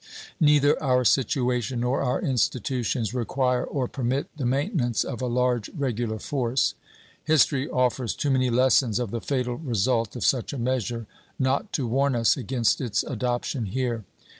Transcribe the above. Neither our situation nor our institutions require or permit the maintenance of a large regular force. History offers too many lessons of the fatal result of such a measure not to warn us against its adoption here.